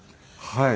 はい。